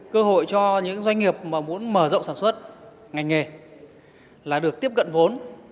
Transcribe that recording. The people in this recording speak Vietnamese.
cơ hội cho những doanh nghiệp mà muốn mở rộng sản xuất ngành nghề là được tiếp cận vốn